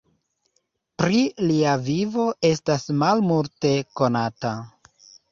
Pri lia vivo estas malmulte konata.